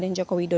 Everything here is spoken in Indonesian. dan rencana tunda